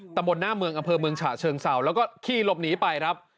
ตำบลหน้าเมืองอำเภอเมืองฉะเชิงเศร้าแล้วก็ขี่หลบหนีไปครับ